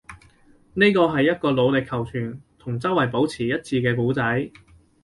呢個係一個努力求存，同周圍保持一致嘅故仔